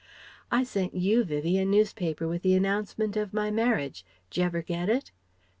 I sent you, Vivie a newspaper with the announcement of my marriage Dj'ever get it?"